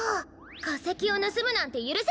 かせきをぬすむなんてゆるせない！